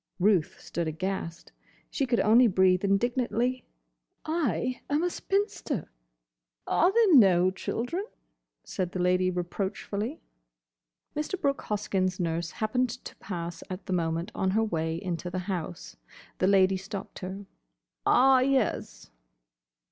Ruth stood aghast. She could only breathe indignantly, "I am a spinster." "Are there no children?" said the Lady reproachfully. Mr. Brooke Hoskyn's nurse happened to pass at the moment on her way into the house. The Lady stopped her. "Ah, yes."